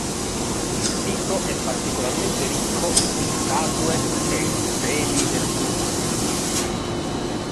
Il sito è particolarmente ricco di statue e steli del Buddha.